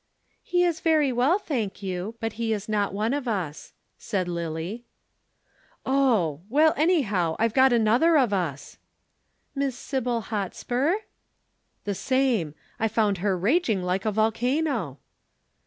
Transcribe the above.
"He is very well, thank you, but he is not one of us," said Lillie. "Oh! Well, anyhow, I've got another of us." "Miss Sybil Hotspur?" "The same. I found her raging like a volcano."